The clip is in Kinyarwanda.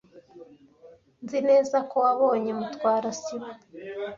Nzi neza ko wabonye Mutwara sibo.